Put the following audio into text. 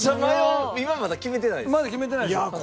まだ決めてないでしょ？